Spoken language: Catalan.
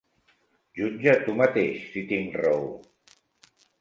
Jutja tu mateix si tinc raó.